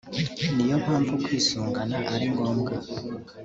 ni yo mpamvu kwisungana ari ngombwa